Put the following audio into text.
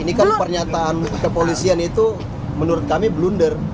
ini kan pernyataan kepolisian itu menurut kami blunder